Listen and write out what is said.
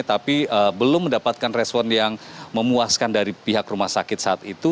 tapi belum mendapatkan respon yang memuaskan dari pihak rumah sakit saat itu